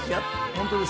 本当ですか？